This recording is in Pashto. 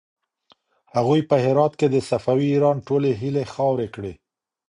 هغوی په هرات کې د صفوي ایران ټولې هيلې خاورې کړې.